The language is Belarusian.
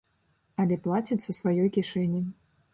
Але плацяць са сваёй кішэні.